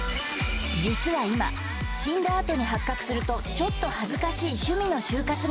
実は今死んだあとに発覚するとちょっと恥ずかしい趣味の終活が話題となっていて